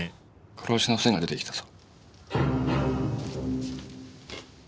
殺しの線が出てきたぞ。